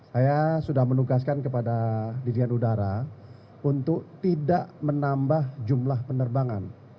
saya sudah menugaskan kepada dirjen udara untuk tidak menambah jumlah penerbangan